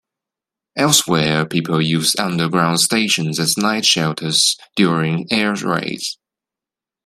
Elsewhere, people used underground stations as night shelters during air raids.